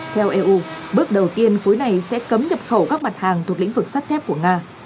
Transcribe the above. theo eu bước đầu tiên khối này sẽ cấm nhập khẩu các mặt hàng thuộc lĩnh vực sắt thép của nga